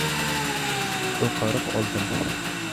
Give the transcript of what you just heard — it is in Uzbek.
O‘qariq oldim.